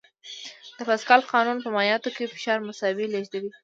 د پاسکال قانون په مایعاتو کې فشار مساوي لېږدوي.